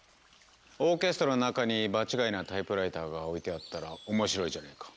オーケストラの中に場違いなタイプライターが置いてあったら面白いじゃないか。